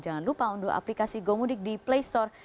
jangan lupa unduh aplikasi gomudik di play store